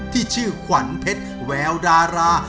ที่ชื่อขวัญเพชรแววดารา